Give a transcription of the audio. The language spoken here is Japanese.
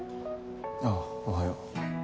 あぁおはよう。